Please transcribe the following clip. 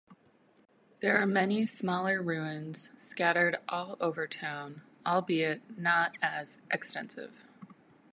There are many smaller ruins scattered all over town albeit not as extensive.